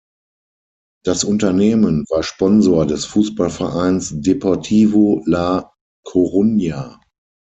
Das Unternehmen war Sponsor des Fußballvereins Deportivo La Coruña.